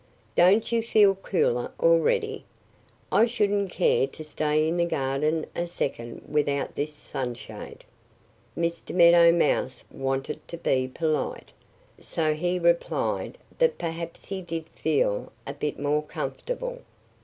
"Don't you feel cooler already? I shouldn't care to stay in the garden a second without this sunshade." Mr. Meadow Mouse wanted to be polite. So he replied that perhaps he did feel a bit more comfortable.